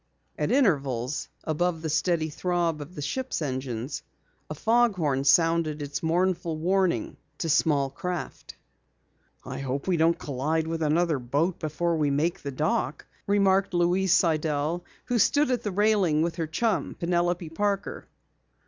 At intervals, above the steady throb of the ship's engines, a fog horn sounded its mournful warning to small craft. "I hope we don't collide with another boat before we make the dock," remarked Louise Sidell who stood at the railing with her chum, Penelope Parker.